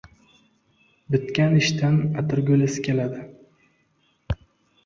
• Bitgan ishdan atirgul isi keladi.